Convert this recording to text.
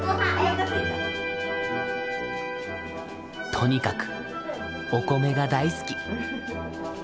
とにかくお米が大好き。